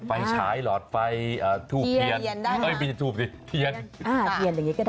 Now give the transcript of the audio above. ไฟฉายหลอดไฟถูกเทียน